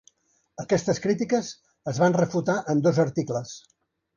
Aquestes crítiques es van refutar en dos articles.